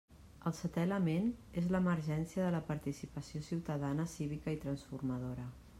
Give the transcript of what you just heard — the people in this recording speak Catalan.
El seté element és l'emergència de la participació ciutadana, cívica i transformadora.